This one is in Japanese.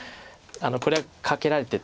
これはカケられて。